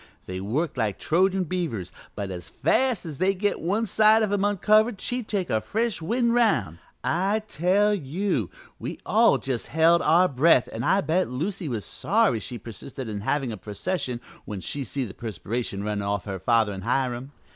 They worked like Trojan beavers, but as fast as they'd get one side of him uncovered she'd take a fresh wind round. I tell you, we all just held our breath, and I bet Lucy was sorry she persisted in havin' a procession when she see the perspiration runnin' off her father an' Hiram.